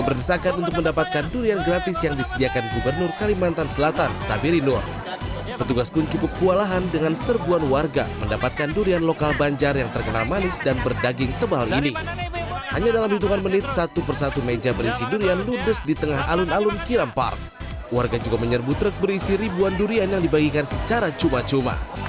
butrek berisi ribuan durian yang dibagikan secara cuma cuma